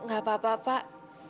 gak apa apa pak